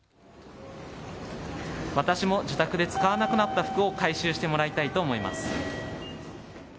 私も自宅で使わなくなった服を回収してもらいたいと思います。